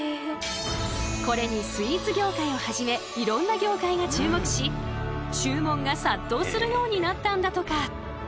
これにスイーツ業界をはじめいろんな業界が注目し注文が殺到するようになったんだとか。